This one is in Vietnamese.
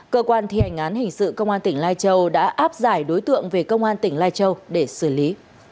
cơ quan thi hành án hình sự công an tỉnh lai châu đã áp giải đối tượng về công an tỉnh lai châu để xử lý